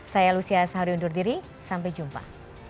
saya lucia sahari undur diri sampai jumpa